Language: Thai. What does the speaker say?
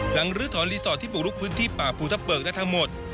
หลังรื้อถอนรีสอร์ทที่บุรุกพื้นที่ป่าภูทะเบิกและทั้งหมด